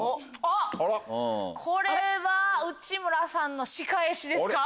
あっこれは内村さんの仕返しですか？